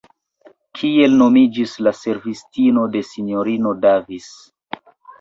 Kiel nomiĝis la servistino de S-ino Davis?